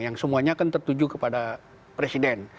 yang semuanya kan tertuju kepada presiden